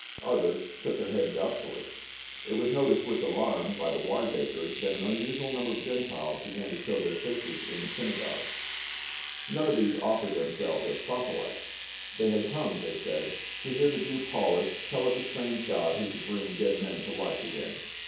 Others shook their heads doubtfull)'. It was noticed 344 PA UL. with alarm by the wiseacres that an unusual number of Gentiles began to show their faces in the syna gogue. None of these offered themselves as proselytes. ' Tliey had come,' they said, 'to hear the Jew Paulus tell of the strange god who could bring dead men to life again.'